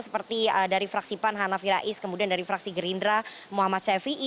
seperti dari fraksi pan hanafira is kemudian dari fraksi gerindra muhammad sevii